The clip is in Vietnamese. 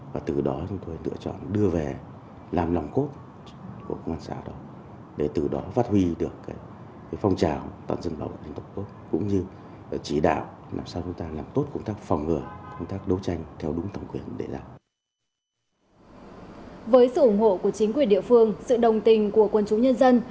với sự ủng hộ của chính quyền địa phương sự đồng tình của quân chủ nhân dân